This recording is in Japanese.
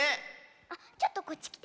あっちょっとこっちきて。